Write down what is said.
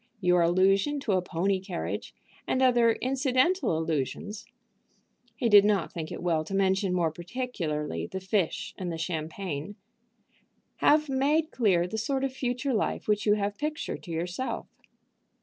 Your allusion to a pony carriage, and other incidental allusions," he did not think it well to mention more particularly the fish and the champagne, "have made clear the sort of future life which you have pictured to yourself.